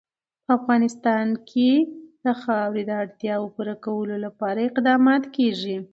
په افغانستان کې د خاوره د اړتیاوو پوره کولو لپاره اقدامات کېږي.